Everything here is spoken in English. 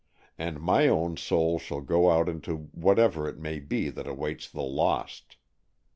And my own soul shall go out into whatever it may be that awaits the lost.